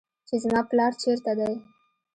چې زما پلار چېرته دى.